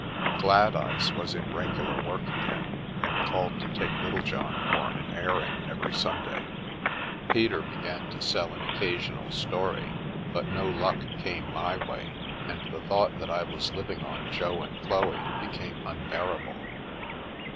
Gladeyes was in regular work again, and called to take Littlejohn for an airing every Sunday. Peter began to sell an occasional story, but no luck came my way, and the thought that I was living on Jo and Chloe became un bearable.